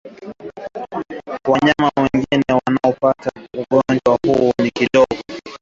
Wanyama wengine wanaopata ugonjwa huu ni kondoo mbuzi na ngombe